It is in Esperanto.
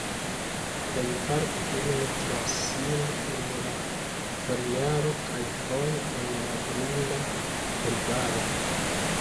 Plejparte ili nutras sin en la foliaro kaj foje en la grunda herbaro.